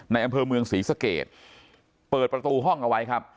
อำเภอเมืองศรีสเกตเปิดประตูห้องเอาไว้ครับ